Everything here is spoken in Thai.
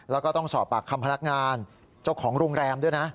แล้วก็ต้องสอบปากคำพนักงานเจ้าของโรงแรมด้วยนะ